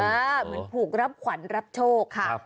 เออมันผูกรับขวัญรับโชคครับ